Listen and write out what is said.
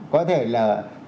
có thể là